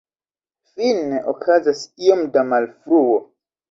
Fine, okazas iom da malfruo.